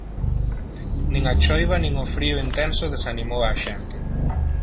Nin a choiva nin o frío intenso desanimou á xente.